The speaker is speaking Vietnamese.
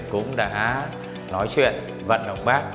cũng đã nói chuyện vận động bác